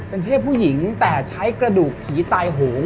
เป็นเทพผู้หญิงแต่ใช้กระดูกผีตายโหง